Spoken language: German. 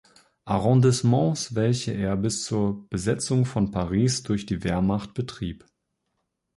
Arrondissements, welches er bis zur Besetzung von Paris durch die Wehrmacht betrieb.